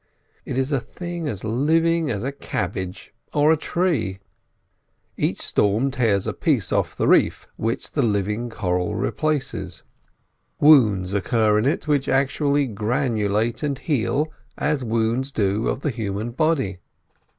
It is a thing as living as a cabbage or a tree. Every storm tears a piece off the reef, which the living coral replaces; wounds occur in it which actually granulate and heal as wounds do of the human body.